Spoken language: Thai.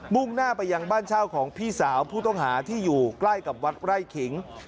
่งหน้าไปยังบ้านเช่าของพี่สาวผู้ต้องหาที่อยู่ใกล้กับวัดไร่ขิง